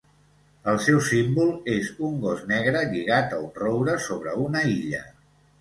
El seu símbol és un gos negre lligat a un roure sobre una illa.